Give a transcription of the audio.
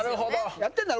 やってんだろ？